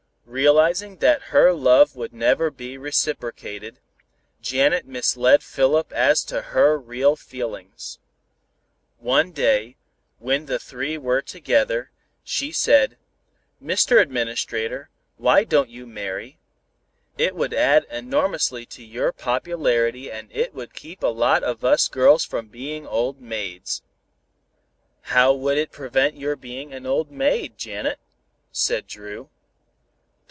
Realizing that her love would never be reciprocated, Janet misled Philip as to her real feelings. One day when the three were together, she said, "Mr. Administrator, why don't you marry? It would add enormously to your popularity and it would keep a lot of us girls from being old maids." "How would it prevent your being an old maid, Janet?" said Dru.